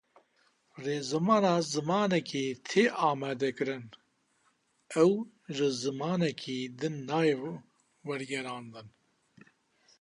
Rêzimana zimanekî tê amadekirin, ew ji zimanekî din nayê wergerandin.